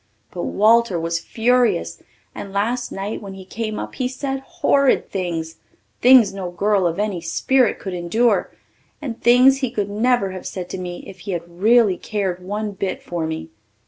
But Walter was furious and last night when he came up he said horrid things things no girl of any spirit could endure, and things he could never have said to me if he had really cared one bit for me.